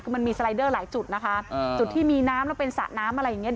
คือมันมีสไลเดอร์หลายจุดนะคะจุดที่มีน้ำแล้วเป็นสระน้ำอะไรอย่างเงี้